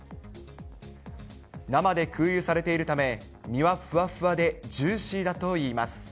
生で空輸されているため、身はふわふわでジューシーだといいます。